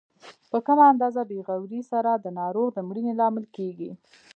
په کمه اندازه بې غورۍ سره د ناروغ د مړینې لامل کیږي.